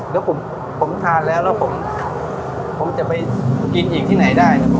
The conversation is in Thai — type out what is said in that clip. แล้วผมทานแล้วแล้วผมจะไปกินอีกที่ไหนได้